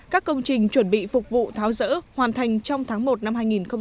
các công trình chuẩn bị phục vụ tháo rỡ hoàn thành trong tháng một năm hai nghìn hai mươi